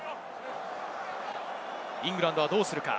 イングランドはどうするか。